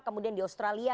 kemudian di australia